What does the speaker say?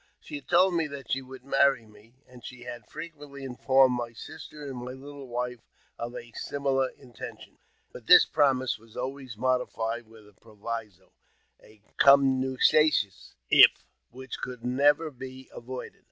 She had told me that she would marry me, and she had frequently informed my sisters and my little wife of a similar intention ; but this promise was always modified with a proviso — a contumacious i£>" which could never be avoided.